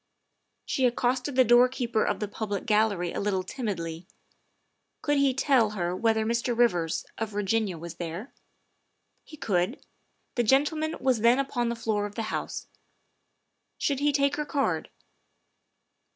She accosted the doorkeeper of the public gallery a little timidly. Could he tell her whether Mr. Rivers, of Virginia, was there? He could; the gentleman was then upon the floor of the House. Should he take her card?